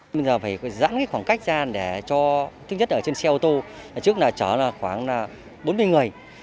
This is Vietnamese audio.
bây giờ phải giãn khoảng cách ra để cho thứ nhất là trên xe ô tô trước là chở khoảng bốn mươi người